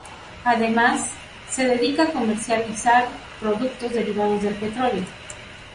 Además, se dedica a comercializar productos derivados del petróleo.